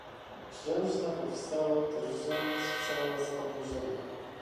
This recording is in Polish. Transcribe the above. "Księżna powstała drżąc cała z oburzenia."